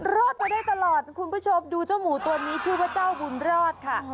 รอดมาได้ตลอดคุณผู้ชมดูเจ้าหมูตัวนี้ชื่อว่าเจ้าบุญรอดค่ะ